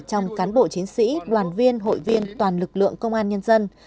trong cán bộ chiến sĩ đoàn viên hội viên toàn lực lượng công an nhân dân